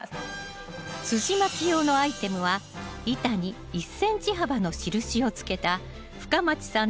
すじまき用のアイテムは板に１ｃｍ幅の印をつけた深町さん